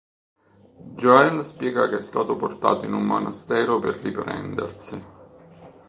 Joel spiega che è stato portato in un monastero per riprendersi.